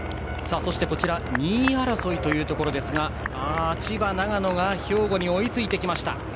そして、２位争いですが千葉、長野が兵庫に追いついてきました。